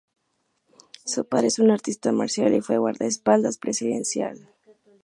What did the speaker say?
Su padre es un artista marcial y fue guardaespaldas presidencial.